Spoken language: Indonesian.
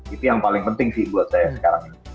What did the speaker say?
itu yang paling penting sih buat saya sekarang ini